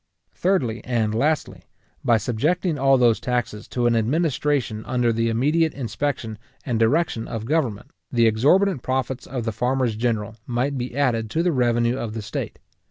Thirdly, and lastly, by subjecting all those taxes to an administration under the immediate inspection and direction or government, the exorbitant profits of the farmers general might be added to the revenue of the state.